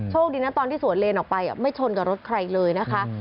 คดีนะตอนที่สวนเลนออกไปไม่ชนกับรถใครเลยนะคะ